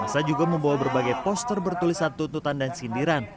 semua berbagai poster bertulisan tututan dan sindiran